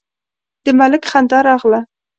د ملک خندا راغله: